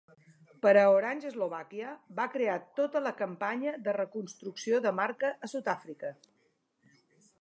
Per a Orange Slovakia, va crear tota la campanya de reconstrucció de marca a Sud-àfrica.